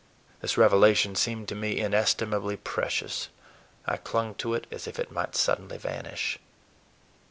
This revelation seemed to me inestimably precious. I clung to it as if it might suddenly vanish.